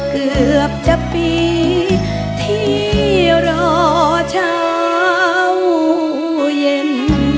เกือบจะปีที่รอเช้าเย็น